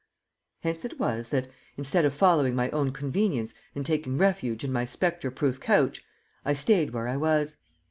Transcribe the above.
Hence it was that, instead of following my own convenience and taking refuge in my spectre proof couch, I stayed where I was.